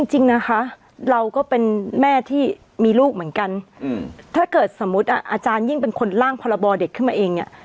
จริงนะคะเราก็เป็นแม่ที่มีลูกเหมือนกันถ้าเกิดสมมุติอาจารยิ่งเป็นคนล่างพรบเด็กขึ้นมาเองเนี่ย